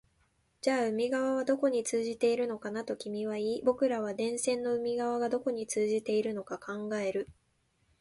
じゃあ海側はどこに通じているのかな、と君は言い、僕らは電線の海側がどこに通じているのか考える